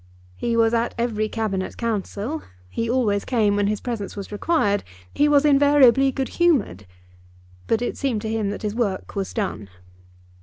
He was at every Cabinet Council; he always came when his presence was required; he was invariably good humoured; but it seemed to him that his work was done.